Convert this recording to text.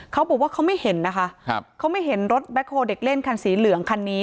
เขาบอกว่าเขาไม่เห็นนะคะเขาไม่เห็นรถแคลเด็กเล่นคันสีเหลืองคันนี้